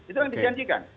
itu yang dijanjikan